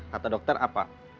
kata dokter apa